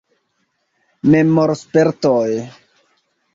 Memorspertoj.